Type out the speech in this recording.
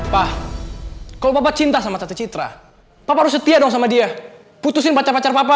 pa kalau papa cinta sama tante citra papa harus setia dong sama dia putusin pacar pacar papa